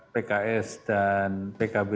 pks dan pkb